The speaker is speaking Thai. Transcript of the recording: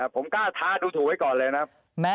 ผมกล้าท้าดูถูกไว้ก่อนเลยนะครับ